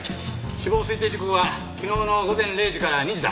死亡推定時刻は昨日の午前０時から２時だ。